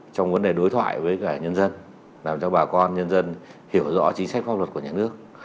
trong vấn đề đối thoại với cả nhân dân làm cho bà con nhân dân hiểu rõ chính sách pháp luật của nhà nước